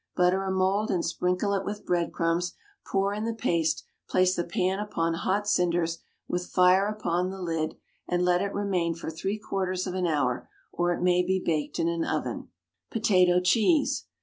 Butter a mould and sprinkle it with bread crumbs; pour in the paste, place the pan upon hot cinders, with fire upon the lid, and let it remain for three quarters of an hour, or it may be baked in an oven. POTATO CHEESE.